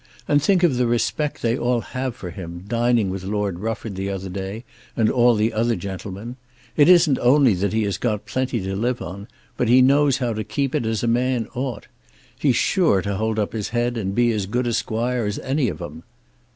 And think of the respect they all have for him, dining with Lord Rufford the other day and all the other gentlemen. It isn't only that he has got plenty to live on, but he knows how to keep it as a man ought. He's sure to hold up his head and be as good a squire as any of 'em."